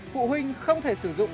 phụ huynh không thể sử dụng